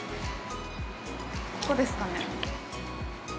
ここですかね？